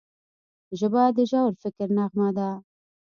ژبه د ژور فکر نغمه ده